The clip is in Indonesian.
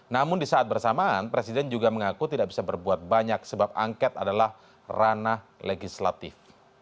namun di saat bersamaan presiden juga mengaku tidak bisa berbuat banyak sebab angket adalah ranah legislatif